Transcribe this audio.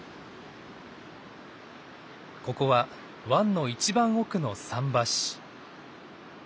ここは湾の一番奥の桟橋。